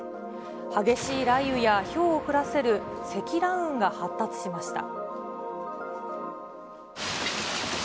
激しい雷雨やひょうを降らせる積乱雲が発達しました。